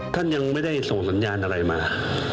ท่านยังไม่ได้ส่งสัญญาณอะไรมา